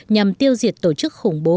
nhằm tiêu diệt tổ chức khủng bố